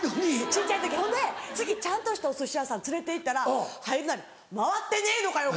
小っちゃい時ほんで次ちゃんとしたお寿司屋さん連れて行ったら入るなり「回ってねえのかよ